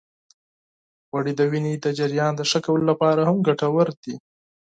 غوړې د وینې د جريان د ښه کولو لپاره هم ګټورې دي.